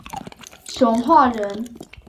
熊化人。